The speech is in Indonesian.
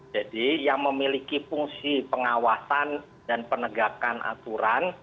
jadi yang memiliki fungsi pengawasan dan penegakan aturan